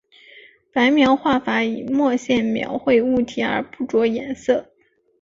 白描画法以墨线描绘物体而不着颜色。